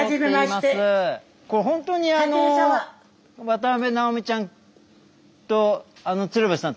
これほんとに渡辺直美ちゃんと鶴瓶さん